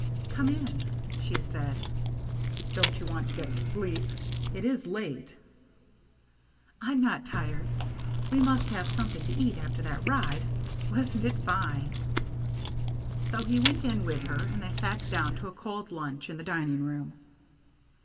" Come in," she said. " Don't you want to get to sleep ? It is late." " I'm not tired. We must have something to eat after that ride. Wasn't it fine ?" So he went in with her, and they sat down to a cold lunch in tHe dining room.